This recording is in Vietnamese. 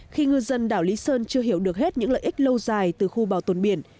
khi ngư dân đảo lý sơn chưa hiểu được hết những lợi ích lâu dài từ khu bảo tồn biển